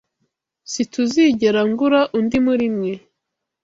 SiTUZIgera ngura undi murimwe.